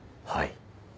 はい。